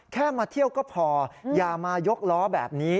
แค่มาเที่ยวก็พออย่ามายกล้อแบบนี้